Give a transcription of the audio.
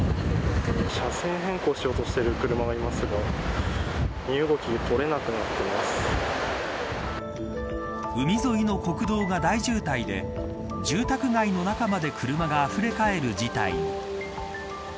車線変更しようとしている車がありますが海沿いの国道が大渋滞で住宅街の中まで車があふれかえる事態に。